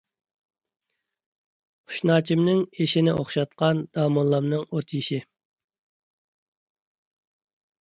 قۇشناچىمنىڭ ئېشىنى ئوخشاتقان داموللامنىڭ ئوتيېشى.